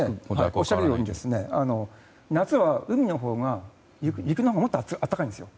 おっしゃるように夏は海より陸のほうが暖かいんですよ。